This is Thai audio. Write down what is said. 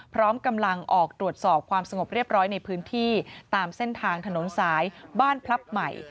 พร้อมกำลังออกตรวจสอบความสงบเรียบร้อยในพื้นที่ตามเส้นทางถนนสายบ้านพลับใหม่